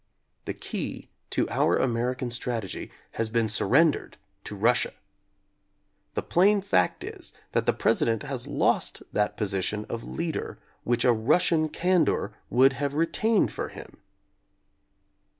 The key to our American strategy has been surrendered to Russia. The plain fact is that the President has lost that position of leader which a Russian candor would have retained for him.